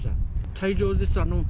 大量です。